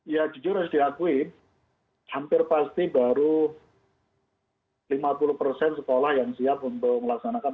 ya jujur harus diakui hampir pasti baru lima puluh persen sekolah yang siap untuk melaksanakan